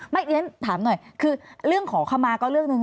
ไม่อย่างนั้นถามหน่อยคือเรื่องขอคำมาก็เรื่องนึง